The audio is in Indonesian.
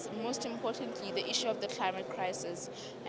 sama juga yang paling penting masalah krisis klima